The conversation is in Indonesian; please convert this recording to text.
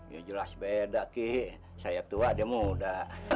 ya jelas beda ki saya tua dia muda